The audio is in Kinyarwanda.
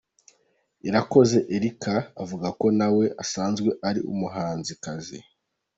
Irakoze Erica avuga ko na we asanzwe ari umuhanzikazi.